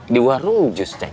di warung justeng